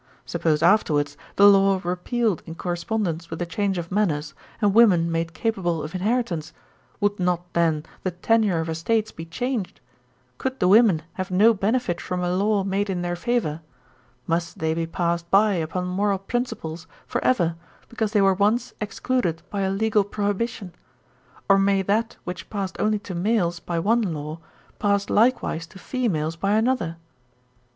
Suppose afterwards the law repealed in correspondence with a change of manners, and women made capable of inheritance; would not then the tenure of estates be changed? Could the women have no benefit from a law made in their favour? Must they be passed by upon moral principles for ever, because they were once excluded by a legal prohibition? Or may that which passed only to males by one law, pass likewise to females by another?